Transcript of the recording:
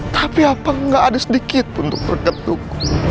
tapi apa enggak ada sedikit untuk mengetuk